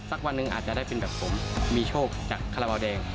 วันหนึ่งอาจจะได้เป็นแบบผมมีโชคจากคาราบาลแดง